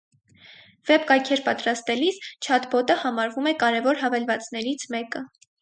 Վեբ կայքեր պատրաստելիս չատբոտը համարվում է կարևոր հավելվածներից մեկը։